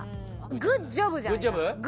「グッジョブ」じゃないかな？